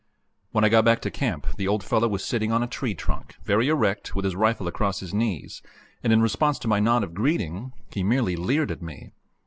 When I got back to camp the old fellow was sitting on a tree trunk, very erect, with his rifle across his knees, and in response to my nod of greeting he merely leered at me.